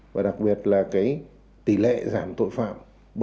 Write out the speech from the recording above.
và đặc biệt là tỷ lệ giảm tội phạm bảy ba mươi chín